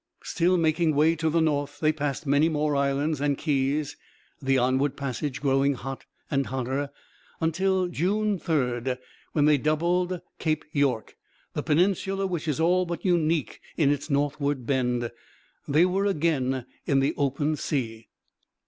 Still making way to the north, they passed many more islands and keys, the onward passage growing hot and hotter, until on June 3, when they doubled Cape York, the peninsula which is all but unique in its northward bend, they were again in the open sea.